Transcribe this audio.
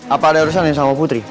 apa ada urusan yang sama putri